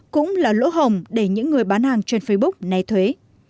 cũng là lỗ hồng để những người bán hàng trên facebook né thuế